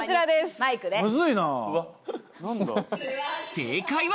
正解は。